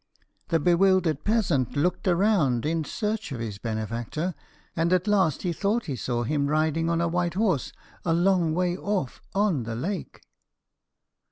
The bewildered peasant looked around in search of his benefactor, and at last he thought he saw him riding on a white horse a long way off on the lake.